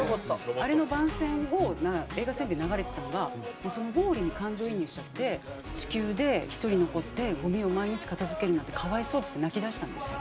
あれの番宣を映画宣伝で流れてたのがもうそのウォーリーに感情移入しちゃって「地球で１人残ってゴミを毎日片付けるなんて可哀想」っつって泣き出したんですよ。